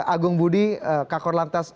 agung budi kakor lantas